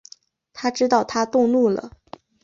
他知道她动怒了